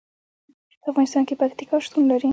په افغانستان کې پکتیکا شتون لري.